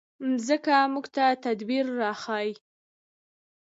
مځکه موږ ته تدبر راښيي.